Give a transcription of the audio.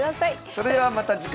それではまた次回です。